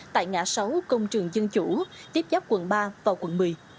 tại ngã sáu công trường dân chủ tiếp giáp quận ba và quận một mươi